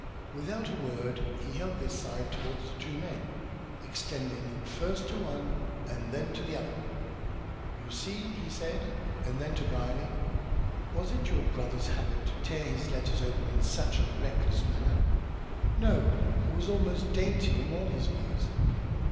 Without a word he held this side towards the two men, extending it first to one, and then to the other. "You see!" he said, and then to Brierly. "Was it your brother's habit to tear his letters open in such a reckless manner?" "No. He was almost dainty in all his ways."